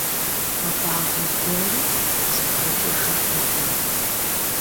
Хуабагъэ гуэри къыспкърыкӀыжыртэкъым.